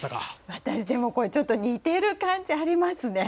私、でもこれちょっと似てる感じありますね。